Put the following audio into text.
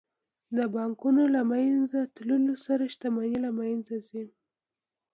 د بانکونو له منځه تلو سره شتمني له منځه ځي